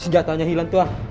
senjatanya hilang tuhan